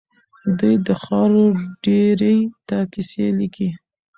دوی د خاورو ډېري ته کيسې ليکي.